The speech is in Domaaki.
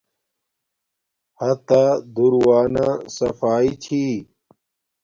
ہاتہ دور وانہ صفایݵ چھی